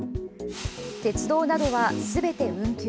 鉄道などはすべて運休。